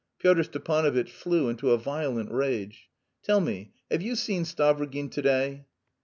Pyotr Stepanovitch flew into a violent rage. "Tell me, have you seen Stavrogin to day?"